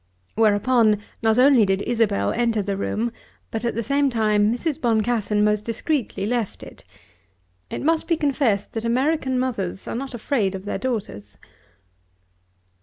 Whereupon not only did Isabel enter the room, but at the same time Mrs. Boncassen most discreetly left it. It must be confessed that American mothers are not afraid of their daughters.